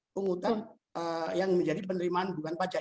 pungutan yang menjadi penerimaan bukan pajak